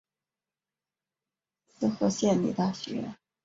滋贺县立大学